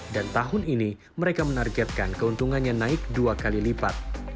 dan tahun ini mereka menargetkan keuntungannya naik dua kali lipat